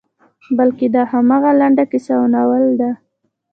بلکې دا همغه لنډه کیسه او ناول ده.